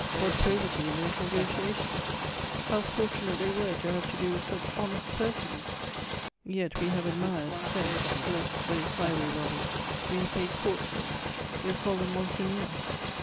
What probity in those negociations! How fortunate they were to have to do with such honest persons! Yet we have admired, censed, blessed those highway robbers; we have paid court to them; we have called them _monseigneur!